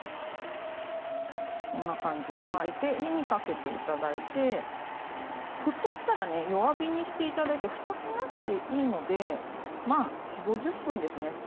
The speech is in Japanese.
こんな感じで入れて火にかけていただいて沸騰したら弱火にしていただいてふたをしなくていいので４０分から５０分ですね。